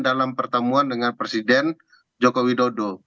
dalam pertemuan dengan presiden joko widodo